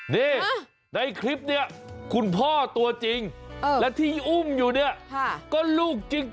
นี่ในคลิปนี้คุณพ่อตัวจริงและที่อุ้มอยู่เนี่ยก็ลูกจริง